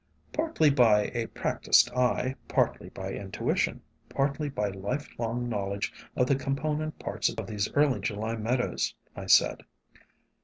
"Partly by a practised eye, partly by intuition, partly by life long knowledge of the component parts of these early July meadows," I said.